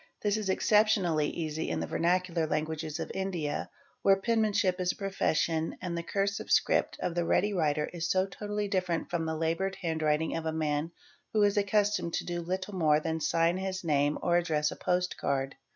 This is exceptionally easy in the Ver nacular languages of India, where penmanship is a profession and the i cursive script of the ready writer is so totally distinct from the laboured handwriting of the man who is accustomed to do little more than sign his name or address a post card.